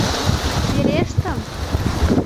Верештым!